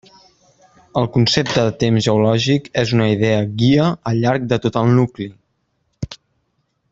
El concepte de temps geològic és una idea guia al llarg de tot el nucli.